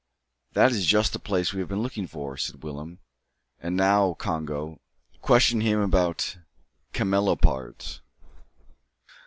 "That is just the place we have been looking for," said Willem; "and now, Congo, question him about camelopards."